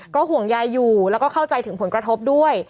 ห่วงยายอยู่แล้วก็เข้าใจถึงผลกระทบด้วย